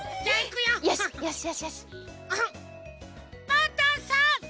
パンタンさん！